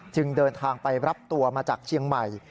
เดินทางไปรับตัวมาจากเชียงใหม่